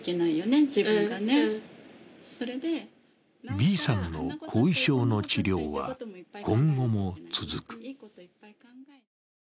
Ｂさんの後遺症の治療は、今後も続く。